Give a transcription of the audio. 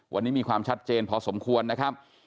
วันนี้มีความชัดเจนพอสมควรนะครับ